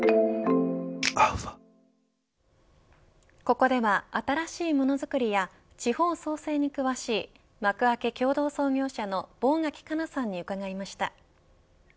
ここでは新しいものづくりや地方創生に詳しいマクアケ共同創業者の坊垣佳奈さんに伺いました。